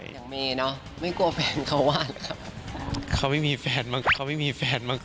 ยังมีเนาะไม่กลัวแฟนเค้าว่าเหรอครับ